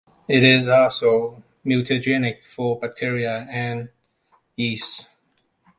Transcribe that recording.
It is also mutagenic for bacteria and yeast.